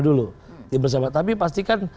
dulu tapi pastikan